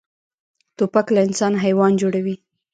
توپک له انسان حیوان جوړوي.